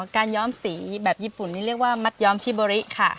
ย้อมสีแบบญี่ปุ่นนี่เรียกว่ามัดย้อมชิโบริค่ะ